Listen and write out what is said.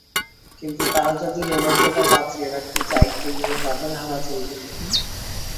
কিন্তু তারা যদি রোমাঞ্চটা বাঁচিয়ে রাখতে চায়, তুরিনে তাদের হারা চলবে না।